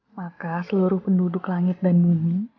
maka seluruh penduduk langit dan bumi